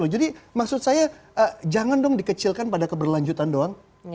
jadi maksud saya jangan dong dikecilkan pada keberlanjutan doang